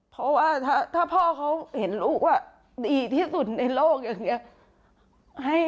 เพราะว่าถ้าพ่อเขาเห็นลูกว่าดีที่สุดในโลกอย่างนี้